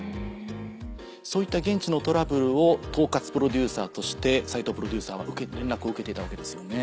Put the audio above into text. そういった現地のトラブルを統括プロデューサーとして齋藤プロデューサーは連絡を受けていたわけですよね？